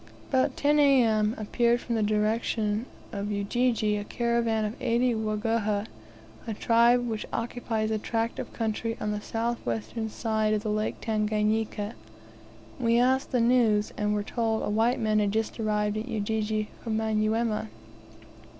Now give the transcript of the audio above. About 10 A.M. appeared from the direction of Ujiji a caravan of eighty Waguhha, a tribe which occupies a tract of country on the south western side of the Lake Tanganika. We asked the news, and were told a white man had just arrived at Ujiji from Manyuema.